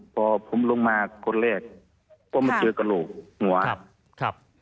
พอผมลงมาก็เลขก็มันเจอกระหลูกหงวะ